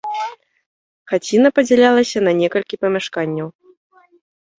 Хаціна падзялялася на некалькі памяшканняў.